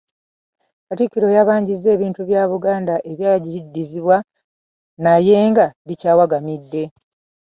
Katikkiro yabanjizza ebintu bya Buganda ebyagiddizibwa naye nga bikyawagamidde.